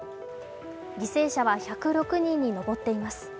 犠牲者は１０６人に上っています。